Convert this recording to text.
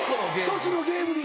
１つのゲームに。